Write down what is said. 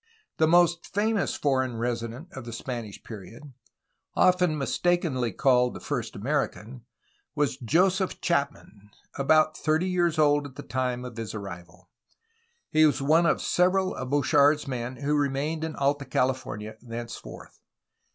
The most famous foreign resident of the Spanish period, often mistakenly called the first American, was Joseph Chapman, about thirty years old at the time of his arrival. He was one of several of Bouchard's men who remained in Alta California thenceforth.